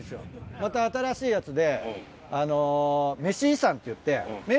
また新しいやつで。